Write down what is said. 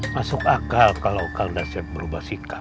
masuk akal kalau kaldasip berubah sikap